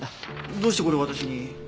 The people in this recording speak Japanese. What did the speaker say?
どうしてこれを私に？